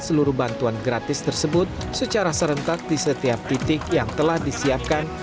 seluruh bantuan gratis tersebut secara serentak di setiap titik yang telah disiapkan